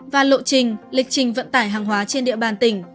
và lộ trình lịch trình vận tải hàng hóa trên địa bàn tỉnh